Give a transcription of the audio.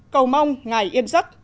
cầu mong ngài yên giấc